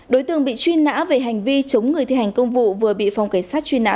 đối tượng bị truy nã về hành vi chống người thi hành công vụ vừa bị phòng cảnh sát truy nã